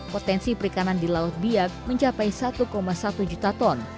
penyelamatan perikanan di laut biak mencapai satu satu juta ton